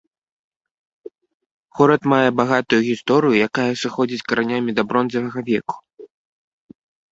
Горад мае багатую гісторыю, якая сыходзіць каранямі да бронзавага веку.